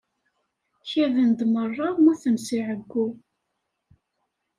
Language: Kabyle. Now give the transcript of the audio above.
Kaden-d merra mmuten si ɛeyyu.